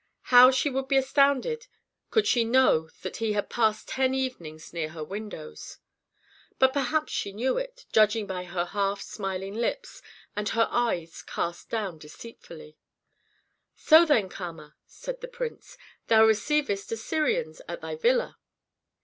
How she would be astounded could she know that he had passed ten evenings near her windows! But perhaps she knew it, judging by her half smiling lips and her eyes cast down deceitfully. "So, then, Kama," said the prince, "thou receivest Assyrians at thy villa?"